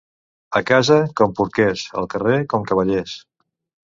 A casa, com porquers; al carrer, com cavallers.